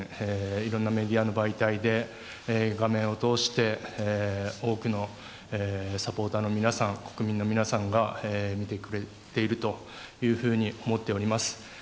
いろんなメディアの媒体で画面を通して多くのサポーターの皆さん国民の皆さんが見てくれているというふうに思っております。